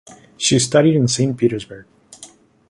She studied in Saint Petersburg.